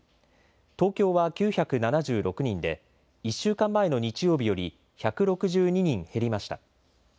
東京は９７６人で、１週間前の日曜日より１６２人減りました。